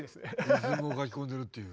リズムを書き込んでるっていう。